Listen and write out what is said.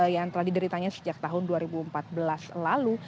yang telah dideritanya sejak tahun dua ribu empat belas lalu